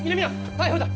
逮捕だ！